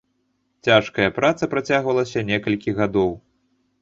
Цяжкая праца працягвалася некалькі гадоў.